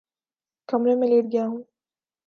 کمرے میں لیٹ گیا ہوں